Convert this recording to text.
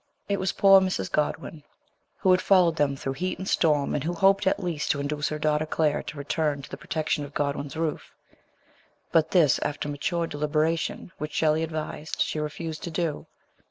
It was poor Mrs. Godwin who had followed them through heat and storm, and who hoped at least to induce her daughter Claire to return to the pro tection of Godwin's roof ; but this, after mature deliberation, which Shelley advised, she refused to do.